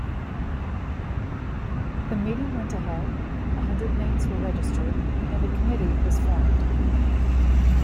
The meeting went ahead, a hundred names were registered and a committee was formed.